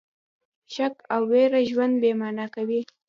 شک او ویره ژوند بې مانا کوي.